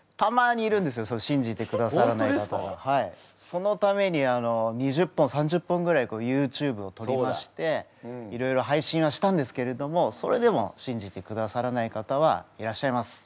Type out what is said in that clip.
そのために２０本３０本ぐらいＹｏｕＴｕｂｅをとりましていろいろ配信はしたんですけれどもそれでも信じてくださらない方はいらっしゃいます。